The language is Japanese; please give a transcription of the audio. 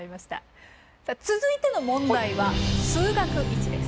さあ続いての問題は「数学Ⅰ」です。